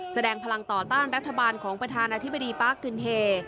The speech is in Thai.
แสดงพลังต่อต้านรัฐบาลของประธานาธิบดีปาร์คกึนเฮ